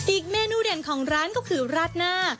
เมนูเด่นของร้านก็คือราดหน้า